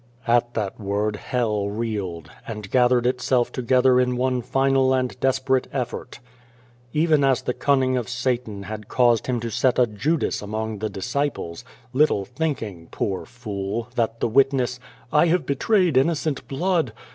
, At that word Hell reeled, and gathered itself together in one final and desperate effort. Even as the cunning of Satan had caused The Face him to set a Judas among the disciples little thinking, poor fool, that the witness, " I have betrayed innocent blood